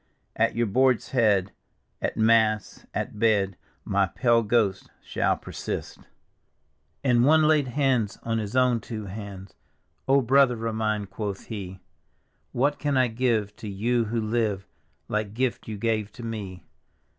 At your board's head, at mass, at bed, My pale ghost shall persist" D,gt,, erihyGOOgle The Haunted Hour And one laid hands on his own two hands, " O Brother o' mine," quoth he, " What can I give to you who live Like gift you gave to me